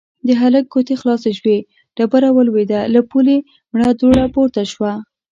د هلک ګوتې خلاصې شوې، ډبره ولوېده، له پولې مړه دوړه پورته شوه.